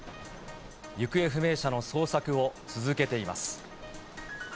行方不明者の捜索を続けています。